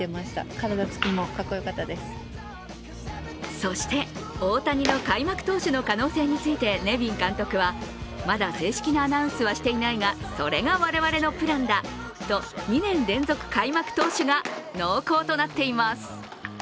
そして大谷の開幕投手の可能性についてネビン監督は、まだ正式なアナウンスはしていないがそれが我々のプランだと２年連続開幕投手が濃厚となっています。